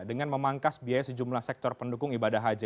dengan memangkas biaya sejumlah sektor pendukung ibadah haji